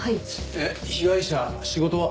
で被害者仕事は？